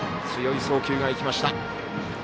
強い送球が行きました。